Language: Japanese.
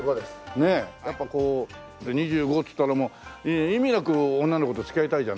ねえやっぱこう２５っつったら意味なく女の子と付き合いたいじゃない。